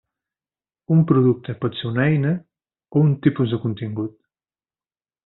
Un producte pot ser una eina o un tipus de contingut.